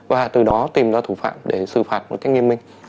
và từ đó tìm ra thủ phạm để xử phạt một cách nghiêm minh